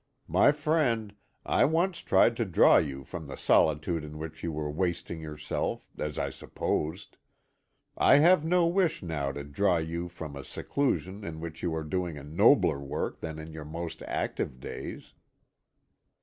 My friend, I once tried to draw you from the solitude in which you were wasting yourself, as I supposed; I have no wish now to draw you from a seclusion in which you are doing a nobler work than in your most active days."